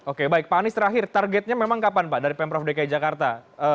oke baik pak anies terakhir targetnya memang kapan pak dari pemprov dki jakarta